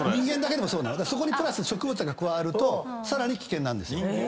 そこにプラス植物が加わるとさらに危険なんですよ。